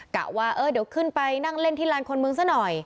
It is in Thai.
กะว่าเออเดี๋ยวขึ้นไปนั่งเล่นที่ลานคนเมืองซะหน่อย